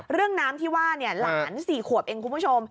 เรื่องน้ำที่ว่าหลาน๔ขวบเองคุณผู้ชม